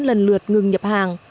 lần lượt ngừng nhập hàng